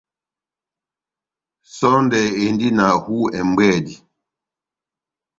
Sɔndɛ endi na hú ɛmbwedi.